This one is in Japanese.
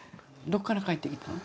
どっから帰ってきたん？